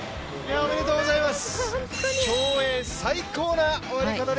おめでとうございます。